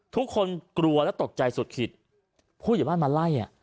ทุกคนกลัวและตกใจสุดขิดผู้ใหญ่บ้านมาไล่